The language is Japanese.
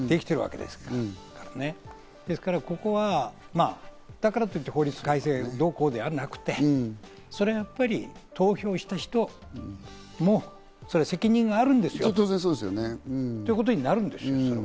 ですからここは、だからといって法律改正どうこうではなくて、それはやっぱり、投票した人に責任があるんですよ。ということになるんですよ、それは。